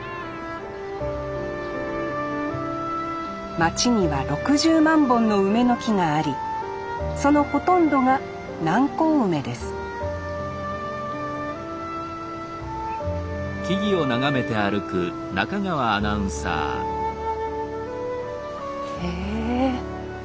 町には６０万本の梅の木がありそのほとんどが南高梅ですへえ。